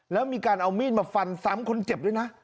แล้วมีการเอามีดมาฟันซ้ำคนเจ็บด้วยนะ